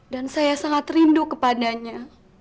saya sangat rindu kepadanya